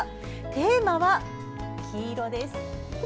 テーマは黄色です。